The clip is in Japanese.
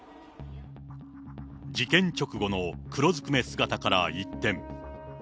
事件直後の黒ずくめ姿から一転。